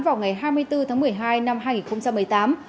vào ngày hai mươi bốn tháng một mươi hai năm hai nghìn một mươi tám